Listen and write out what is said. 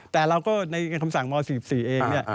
แต่เราก็ในคำสั่งม๔๔เองเนี่ย